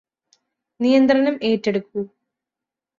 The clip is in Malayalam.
നിയന്ത്രണം ഏറ്റെടുക്കൂ